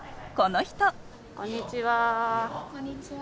こんにちは。